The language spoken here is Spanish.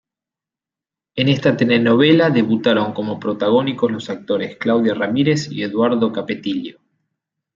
En esta telenovela debutaron como protagónicos los actores Claudia Ramírez y Eduardo Capetillo.